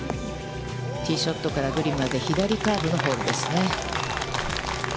ティーショットからグリーンまで、左カーブのホールですね。